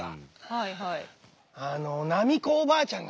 はいはい。